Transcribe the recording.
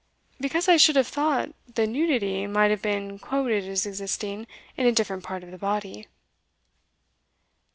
"Because I should have thought the nudity might have been quoted as existing in a different part of the body."